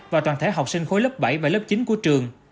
và toàn thể học sinh khối lớp bảy và lớp chín của trường